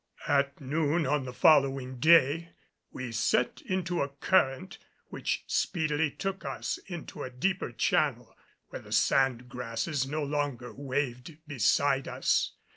At noon on the following day we set into a current which speedily took us into a deeper channel, where the sand grasses no longer waved beside us.